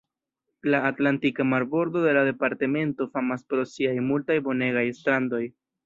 La Atlantika marbordo de la departemento famas pro siaj multaj bonegaj strandoj.